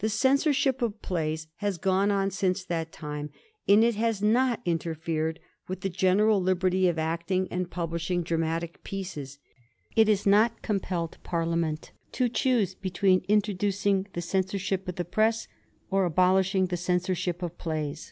The censorship of plays has gone on since that time, and it has not interfered with the general liberty of acting and of publishing dramatic pieces. It has not compelled Par 102 A HISTORY OF THE FOUR GEORGES. gb.zxyix. liament to choose between introducing a censorship of the press or abolishing the censorship of plays.